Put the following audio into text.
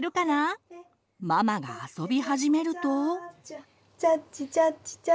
ママが遊び始めると。